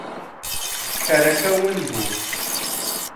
کەرەکە ون بوو.